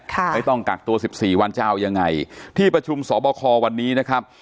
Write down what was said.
ไม่ต้องกักตัวสิบสี่วันจะเอายังไงที่ประชุมสอบคอวันนี้นะครับ